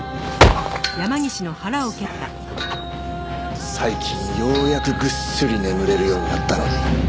最近ようやくぐっすり眠れるようになったのに。